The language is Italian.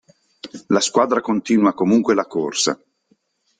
La squadra continua comunque la corsa.